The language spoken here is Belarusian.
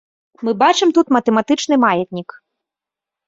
Мы бачым тут матэматычны маятнік.